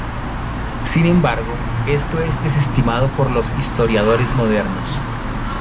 Sin embargo, esto es desestimado por los historiadores modernos.